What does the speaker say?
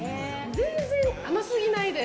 全然甘すぎないです。